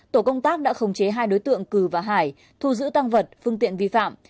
tổ công tác đã khống chế hai đối tượng cử và hải thu giữ tăng vật phương tiện vi phạm